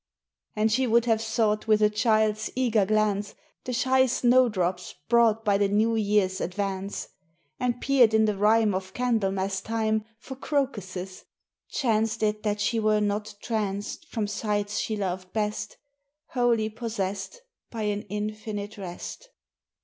And she would have sought With a child's eager glance The shy snowdrops brought By the new year's advance, And peered in the rime Of Candlemas time For crocuses ... chanced It that she were not tranced From sights she loved best; Wholly possessed By an infinite rest!